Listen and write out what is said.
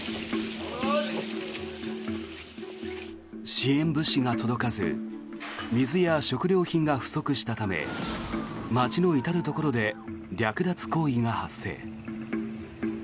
支援物資が届かず水や食料品が不足したため街の至るところで略奪行為が発生。